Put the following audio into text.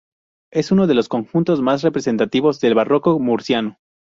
Es uno de los conjuntos más representativos del barroco murciano.